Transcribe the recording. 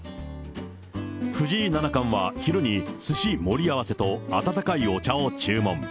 藤井七冠は昼にすし盛り合わせと温かいお茶を注文。